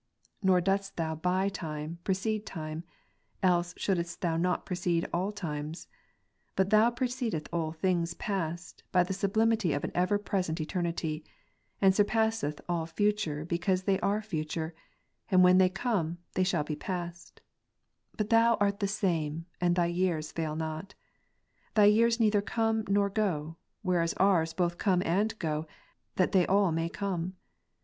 16. Nor dost Thou by time, precede time : else shouldest Thou not precede all times. But Thou precedest all things past, by the sublimity of an ever present eternity ; and sur passest all future because they are future, and when they Ps 102 come, they shall be past; but Thou art the Same, and Thy 27. years fail not. Thy years neither come nor go ; whereas ours both come and go, that they all may come.